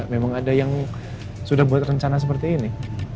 memang ada yang sudah buat rencana seperti ini